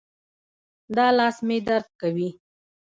دا لاس مې درد کوي